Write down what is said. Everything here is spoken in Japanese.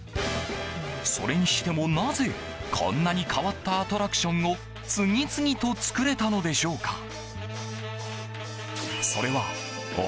それにしても、なぜこんなに変わったアトラクションを次々と作れたのでしょうか。